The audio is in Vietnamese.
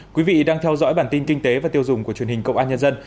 quý vị đang theo dõi bản tin kinh tế và tiêu dùng của truyền hình công an nhân dân